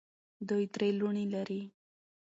دوی درې لوڼې لري.